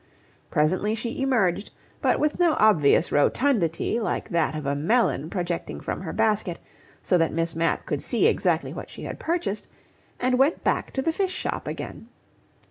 Presently she emerged, but with no obvious rotundity like that of a melon projecting from her basket, so that Miss Mapp could see exactly what she had purchased, and went back to the fish shop again.